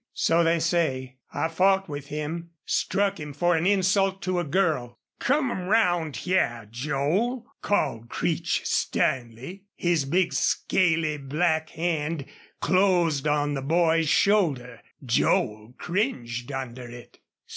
"So they say. I fought with him struck him for an insult to a girl." "Come round hyar, Joel," called Creech, sternly. His big, scaly, black hand closed on the boy's shoulder. Joel cringed under it.